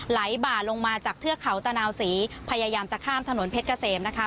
บ่าลงมาจากเทือกเขาตะนาวศรีพยายามจะข้ามถนนเพชรเกษมนะคะ